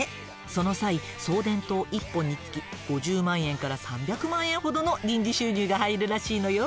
その際送電塔一本につき５０万円から３００万円ほどの臨時収入が入るらしいのよ。